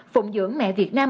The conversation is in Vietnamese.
phụng dưỡng mẹ việt nam